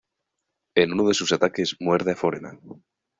En uno de sus ataques, muerde a Foreman.